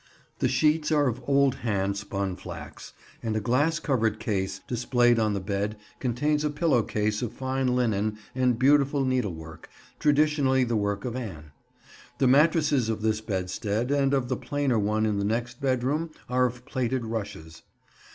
The sheets are of old hand spun flax, and a glass covered case displayed on the bed contains a pillow case of fine linen and beautiful needlework, traditionally the work of Anne. The mattresses of this bedstead and of the plainer one in the next bedroom are of plaited rushes.